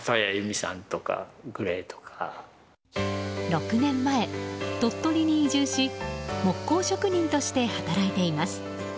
６年前、鳥取に移住し木工職人として働いています。